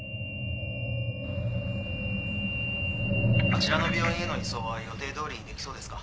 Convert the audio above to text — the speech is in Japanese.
あちらの病院への移送は予定どおりにできそうですか？